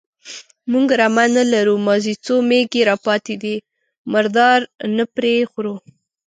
_موږ رمه نه لرو، مازې څو مېږې راپاتې دي، مردار نه پرې خورو.